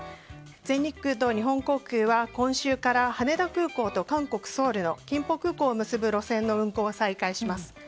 全日空と日本航空は今週から羽田空港と韓国ソウルのキンポ空港を結ぶ路線の運航を再開します。